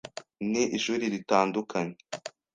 Ni ishuri ritandukanye.